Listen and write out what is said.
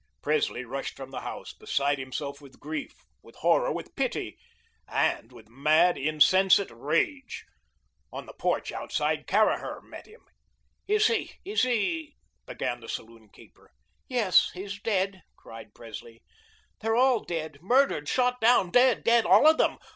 Presley rushed from the house, beside himself with grief, with horror, with pity, and with mad, insensate rage. On the porch outside Caraher met him. "Is he is he " began the saloon keeper. "Yes, he's dead," cried Presley. "They're all dead, murdered, shot down, dead, dead, all of them.